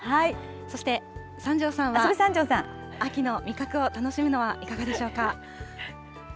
そして、三條さんは秋の味覚を楽しむのはいかがでしょうか。